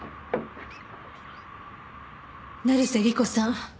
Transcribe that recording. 成瀬莉子さん